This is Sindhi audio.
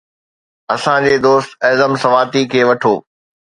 اسان جي دوست اعظم سواتي کي وٺو.